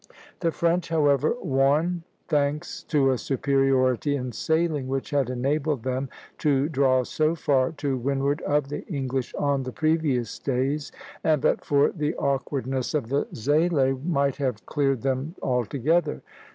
The French, however, won, thanks to a superiority in sailing which had enabled them to draw so far to windward of the English on the previous days, and, but for the awkwardness of the "Zélé," might have cleared them altogether (Plate XXI.